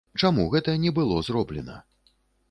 Чаму гэта не было зроблена?